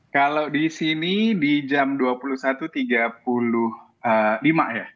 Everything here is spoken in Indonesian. kalau di sini di jam dua puluh satu tiga puluh lima ya